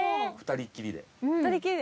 ２人っきりで。